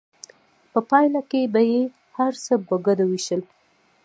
په پایله کې به یې هر څه په ګډه ویشل.